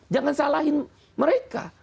jangan salahin mereka